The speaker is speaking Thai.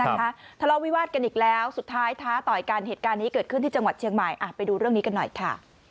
ทะเลาะวิวาสกันอีกแล้วสุดท้ายท้าต่อยกันเหตุการณ์นี้เกิดขึ้นที่จังหวัดเชียงใหม่ไปดูเรื่องนี้กันหน่อยค่ะ